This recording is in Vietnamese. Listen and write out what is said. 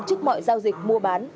trước mọi giao dịch mua bán